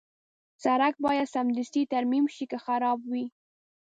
سړک باید سمدستي ترمیم شي که خراب وي.